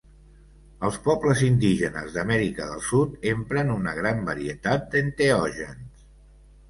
Els pobles indígenes d'Amèrica del Sud empren una gran varietat d'enteògens.